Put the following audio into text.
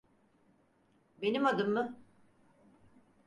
Benim adım mı?